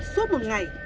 suốt một ngày